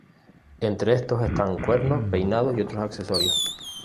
Entre estos están cuernos, peinados y otros accesorios.